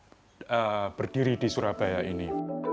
itu sudah ratusan perusahaan berdiri di surabaya ini